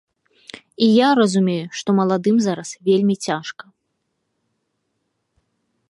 І я разумею, што маладым зараз вельмі цяжка.